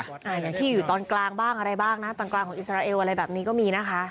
อย่างที่อยู่ตอนกลางบ้างอะไรบ้างนะตอนกลางของอิสราเอลอะไรแบบนี้ก็มีนะคะ